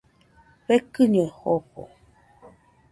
Fekɨño jofo.